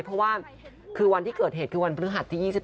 เพราะว่าคือวันที่เกิดเหตุคือวันพฤหัสที่๒๒